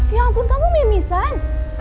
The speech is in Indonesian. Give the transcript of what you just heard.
ya ampun kamu mimisan